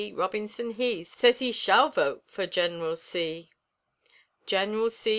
Robinson he Sez he shall vote for Gineral C. Gineral C.